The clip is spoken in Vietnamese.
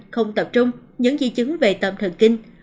không tập trung những di chứng về tâm thần kinh